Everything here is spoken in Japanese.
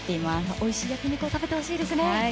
おいしい焼き肉を食べてほしいですね。